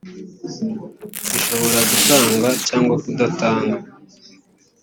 ishobora gutanga cyangwa kudatanga